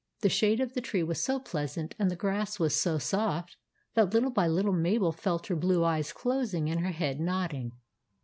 The shade of the tree was so pleasant, and the grass was so soft, that little by little Mabel felt her blue eyes closing and her head nodding.